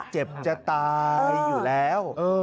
เจ็บจะตายอยู่แล้ว